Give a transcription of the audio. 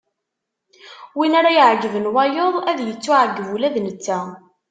Win ara iɛeggben wayeḍ ad ittuɛeggeb ula d netta.